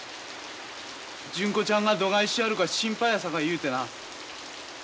純子ちゃんがどがいしやるか心配やさか言うてな。